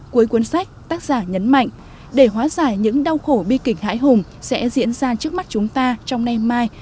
cuối cuốn sách tác giả nhấn mạnh để hóa giải những đau khổ bi kịch hãi hùng sẽ diễn ra trước mắt chúng ta trong đêm mai